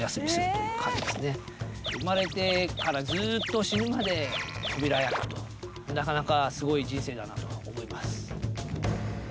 生まれてからずっと死ぬまで扉役となかなかすごい人生だなとは思います。